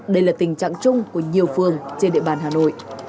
đây là tình trạng chung của nhiều phường trên địa bàn hà nội